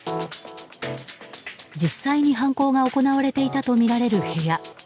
実際に犯行が行われていたとみられる部屋。